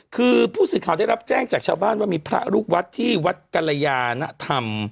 คือผู้สื่อข่าวได้รับแจ้งจากชาวบ้านว่ามีพระลูกวัดที่วัดกรยานธรรม